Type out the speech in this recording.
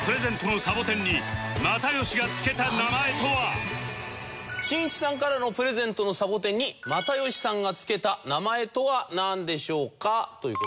ここでしんいちさんからのプレゼントのサボテンに又吉さんがつけた名前とはなんでしょうか？という事で。